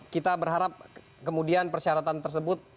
kita berharap kemudian persyaratan tersebut